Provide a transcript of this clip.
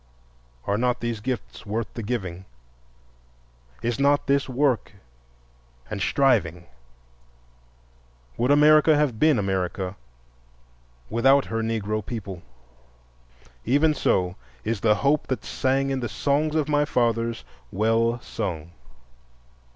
Are not these gifts worth the giving? Is not this work and striving? Would America have been America without her Negro people? Even so is the hope that sang in the songs of my fathers well sung.